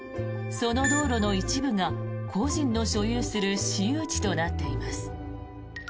その道路の一部が個人の所有する私有地となっています。